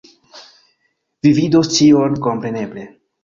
Vi vidos ĉion, kompreneble